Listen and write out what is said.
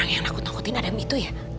nakut nakutin adam itu ya